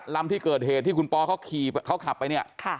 ลำที่เกิดเหตุที่คุณปเขาขับไป